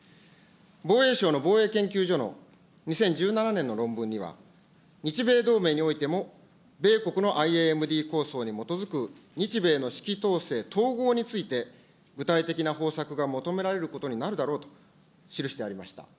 防衛省の防衛研究所の２０１７年の論文には、日米同盟においても米国のＩＡＭＤ構想に基づく日米の指揮統制統合について具体的な方策が求められることになるだろうと記してありました。